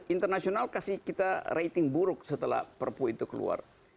internasional kasih kita rating buruk setelah perpu itu keluar